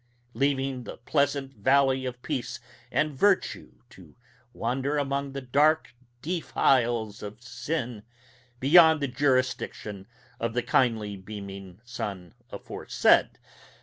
leaving the pleasant valley of Peace and Virtue to wander among the dark defiles of Sin, beyond the jurisdiction of the kindly beaming sun aforesaid!